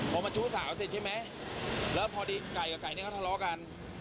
แล้วพอดียังไก่กับไก่นี่เขาทะเลาะกัน